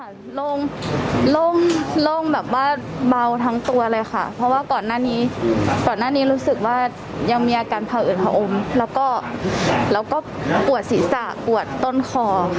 ตอนนี้ล่วงแบบว่าเบาทั้งตัวเลยค่ะเพราะว่าก่อนหน้านี้รู้สึกว่ายังมีอาการผ่าอืดหอมแล้วก็ปวดศีรษะปวดต้นคอค่ะ